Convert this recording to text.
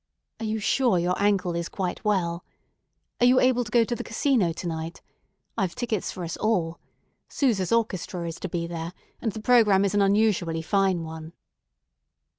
Are you sure your ankle is quite well? Are you able to go to the Casino to night? I've tickets for us all. Sousa's orchestra is to be there, and the programme is an unusually fine one."